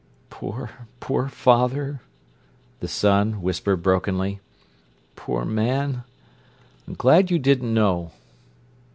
"Poor, poor father!" the son whispered brokenly. "Poor man, I'm glad you didn't know!"